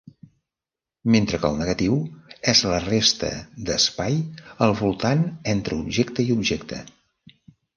Mentre que el negatiu és la resta d'espai al voltant entre objecte i objecte.